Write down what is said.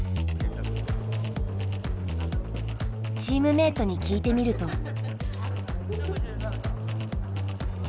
チームメートに聞いてみると。